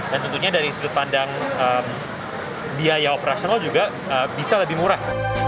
dan tentunya dari sudut pandang biaya operasional juga bisa lebih murah